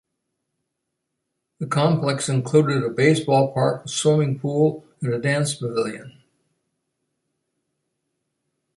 The complex included a basepall park, a swimming pool and a dance pavilion.